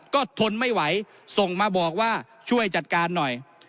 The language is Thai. ก็ทนไม่ไหวส่งมาบอกว่าช่วยจัดการหน่อย